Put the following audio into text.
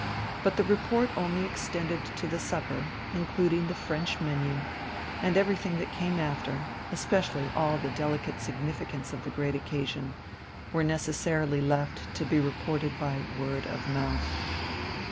But the report only extended to the supper, including the French menu, and everything that came later, especially all the delicate significance of the great occasion, were necessarily left to be reported by word of mouth.